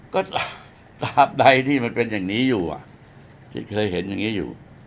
ก็ตามใดที่มันเป็นอย่างนี้อยู่ที่เคยเห็นอย่างนี้อยู่